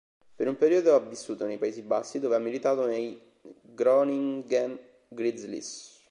Per un periodo ha vissuto nei Paesi Bassi, dove ha militato nei Groningen Grizzlies.